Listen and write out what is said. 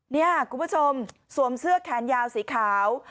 นี่คุณผู้ชมสวมเสื้อแขนยาวสีขาว